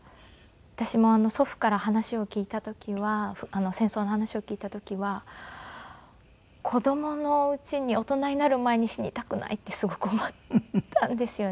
私も祖父から話を聞いた時は戦争の話を聞いた時は子供のうちに大人になる前に死にたくないってすごく思ったんですよね。